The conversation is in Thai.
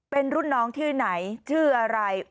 เป็นรุ่นน้องชื่อไหนชื่ออะไร